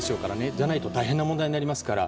じゃないと大変な問題になりますから。